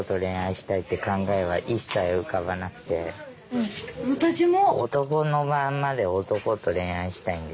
うん私も。